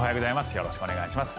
よろしくお願いします。